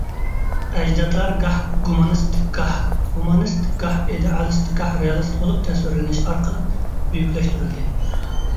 ئەجدادلار گاھ گۇمانىست، گاھ ھۇمانىست، گاھ ئىدېئالىست، گاھ رېئالىست بولۇپ تەسۋىرلىنىش ئارقىلىق بۈيۈكلەشتۈرۈلدى.